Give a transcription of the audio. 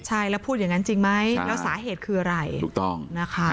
ใช่แล้วพูดอย่างนั้นจริงไหมแล้วสาเหตุคืออะไรถูกต้องนะคะ